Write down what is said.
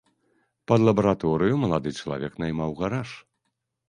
Пад лабараторыю малады чалавек наймаў гараж.